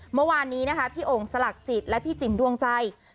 เมื่อวานนี้นะคะพี่โอ่งสลักจิตและพี่จิ๋มดวงใจ